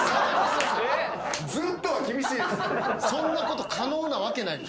そんなこと可能なわけない。